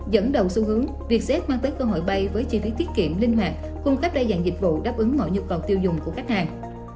dẫn đầu xu hướng vjet mang tới cơ hội bay với chi phí tiết kiệm linh hoạt khung khắp đại dạng dịch vụ đáp ứng mọi nhu cầu tiêu dùng của khách hàng